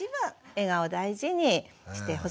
笑顔を大事にしてほしいな。